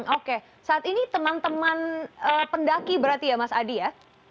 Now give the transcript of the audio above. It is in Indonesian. oke saat ini teman teman pendaki berarti ya mas adi ya